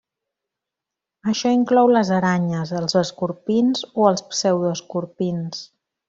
Això inclou les aranyes, els escorpins o els pseudoescorpins.